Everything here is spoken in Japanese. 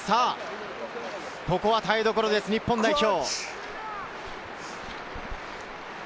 ここは耐えどころです、日本代表。